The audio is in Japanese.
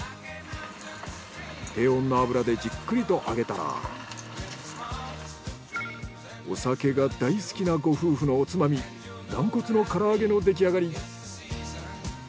低温の油でじっくりと揚げたらお酒が大好きなご夫婦のおつまみ軟骨の唐揚げの出来上がり。